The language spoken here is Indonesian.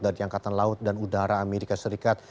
dari angkatan laut dan udara amerika serikat